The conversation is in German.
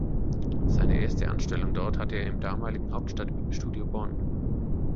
Seine erste Anstellung dort hatte er im damaligen Hauptstadt-Studio Bonn.